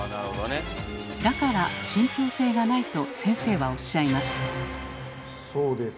だから信ぴょう性がないと先生はおっしゃいます。